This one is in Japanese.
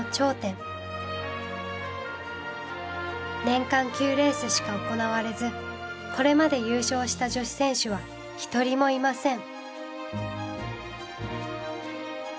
年間９レースしか行われずこれまで優勝した女子選手は一人もいません。